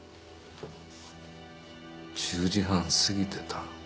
１０時半過ぎてた。